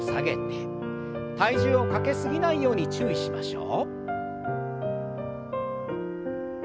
体重をかけ過ぎないように注意しましょう。